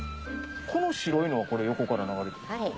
この白いのは横から流れてる？